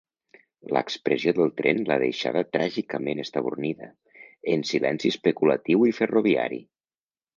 L'expressió del tren l'ha deixada tràgicament estabornida, en silenci especulatiu i ferroviari.